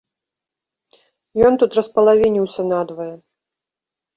Ён тут распалавініўся надвае.